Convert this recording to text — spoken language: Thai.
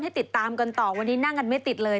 ติดตามกันต่อวันนี้นั่งกันไม่ติดเลย